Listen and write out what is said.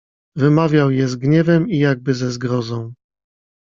"Wymawiał je z gniewem i jakby ze zgrozą."